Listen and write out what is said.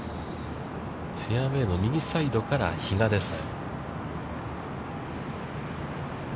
フェアウェイの右サイドから比嘉です。